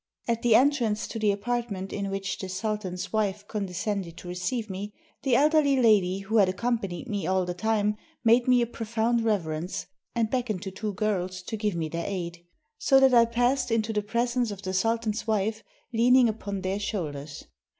At the entrance to the apartment in which the sultan's wife condescended to receive me, the elderly lady who had accompanied me all the time made me a profound reverence, and beck oned to two girls to give me their aid ; so that I passed into the presence of the sultan's wife leaning upon their shoulders.